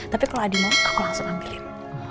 tapi kalau adi mau aku langsung ambilin